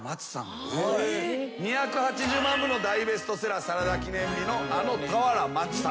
２８０万部の大ベストセラー『サラダ記念日』のあの俵万智さん。